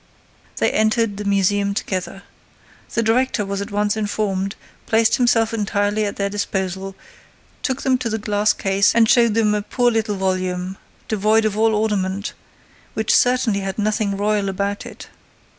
They entered the museum together. The director was at once informed, placed himself entirely at their disposal, took them to the glass case and showed them a poor little volume, devoid of all ornament, which certainly had nothing royal about it.